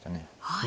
はい。